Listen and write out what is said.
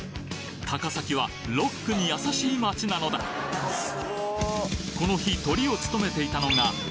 高崎はロックに優しい街なのだこの日トリを務めていたのがＢＯＧＹ